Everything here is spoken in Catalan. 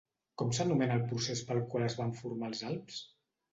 Com s'anomena el procés pel qual es van formar els Alps?